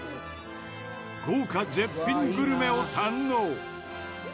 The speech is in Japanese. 豪華絶品グルメを堪能！